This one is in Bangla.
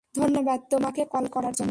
ধন্যবাদ তোমাকে কল করার জন্য!